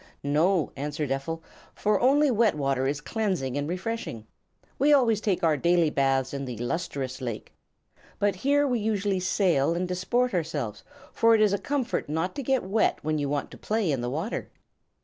"No," answered Ephel; "for only wet water is cleansing and refreshing. We always take our daily baths in the Lustrous Lake. But here we usually sail and disport ourselves, for it is a comfort not to get wet when you want to play in the water."